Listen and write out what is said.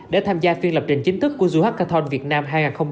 để tham gia phiên lập trình chính thức của zuhakathon việt nam hai nghìn hai mươi một